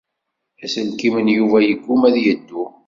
Aselkim n Yuba yegguma ad yeddu.